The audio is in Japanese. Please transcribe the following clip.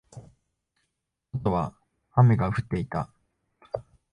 外は雨が降っていた。